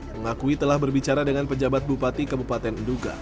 mengakui telah berbicara dengan pejabat bupati kebupaten enduga